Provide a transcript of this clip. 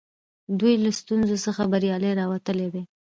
دوی له ستونزو څخه بریالي راوتلي دي.